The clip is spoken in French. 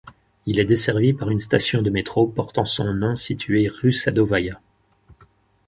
Il est desservi par une station de métro portant son nom située rue Sadovaïa.